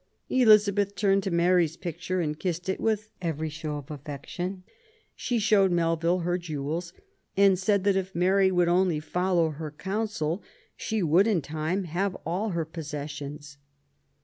Elizabeth turned to Mary's picture and kissed it with every show of affection. She showed Melville her jewels, and said that if Mary would only follow her counsel she would, in time, have all her possessions.